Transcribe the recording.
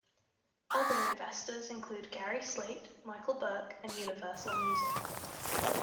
Other investors include Gary Slaight, Michael Burke and Universal Music.